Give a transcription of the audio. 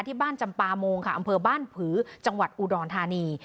ที่บ้านจำปามงค์ค่ะอำเภอบ้านผือจังหวัดอุดรธานี